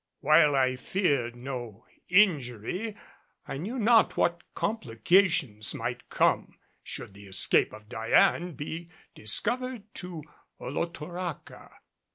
While I feared no injury, I knew not what complications might come should the escape of Diane be discovered to Olotoraca.